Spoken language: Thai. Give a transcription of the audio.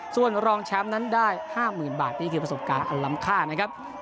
ส่วนรองแชมป์นั้นได้๕๐๐๐บาทนี่คือประสบการณ์อันลำค่านะครับ